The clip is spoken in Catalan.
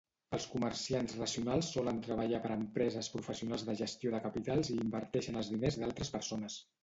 Els comerciants racionals solen treballar per a empreses professionals de gestió de capitals i inverteixen els diners d"altres persones.